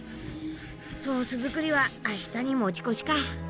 ソース作りは明日に持ち越しか。